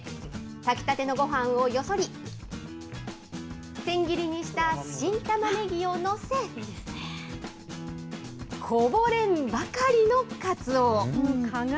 炊き立てのごはんをよそり、千切りにした新たまねぎを載せ、こぼれんばかりのかつおを。